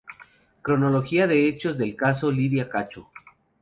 Cronología de hechos del caso Lydia Cacho.